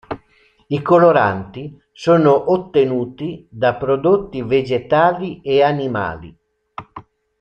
I coloranti sono ottenuti da prodotti vegetali e animali.